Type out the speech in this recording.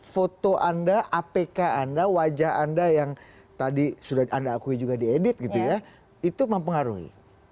foto anda apk anda wajah anda yang tadi sudah anda akui juga diedit gitu ya itu mempengaruhi